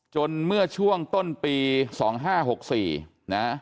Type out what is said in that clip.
เมื่อช่วงต้นปี๒๕๖๔นะ